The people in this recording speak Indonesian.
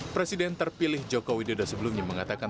presiden terpilih jokowi dodo sebelumnya mengatakan